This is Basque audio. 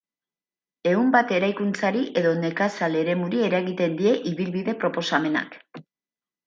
Ehun bat eraikuntzari edo nekazal eremuri eragiten die ibilbide proposamenak.